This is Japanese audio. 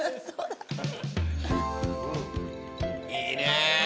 いいね。